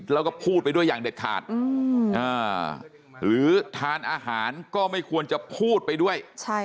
แล้วก็พูดไปด้วยอย่างเด็ดขาดหรือทานอาหารก็ไม่ควรจะพูดไปด้วย